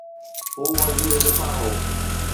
هو وزير دفاع هو.